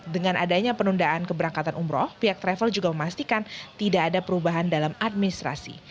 dengan adanya penundaan keberangkatan umroh pihak travel juga memastikan tidak ada perubahan dalam administrasi